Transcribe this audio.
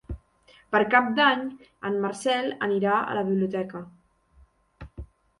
Per Cap d'Any en Marcel anirà a la biblioteca.